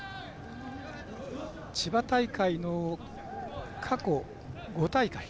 千葉大会の過去５大会